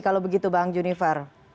kalau begitu bang junifar